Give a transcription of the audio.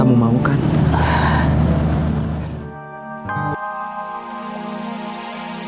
ulang ke spiritua